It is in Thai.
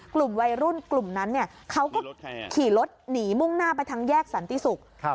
กลุ่มวัยรุ่นกลุ่มนั้นเขาก็ขี่รถหนีมุ่งหน้าไปทางแยกสันติศุกร์